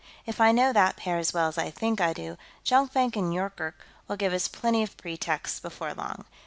If I know that pair as well as I think I do, Jonkvank and Yoorkerk will give us plenty of pretexts, before long.